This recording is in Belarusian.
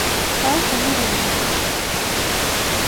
Стаўку не буду называць.